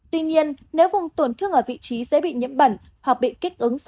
tuy nhiên nếu vùng tổn thương ở vị trí dễ bị nhiễm bẩn hoặc bị kích ứng